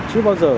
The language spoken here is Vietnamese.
chưa bao giờ